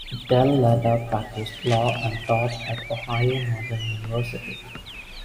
Del Latta practiced law and taught at Ohio Northern University.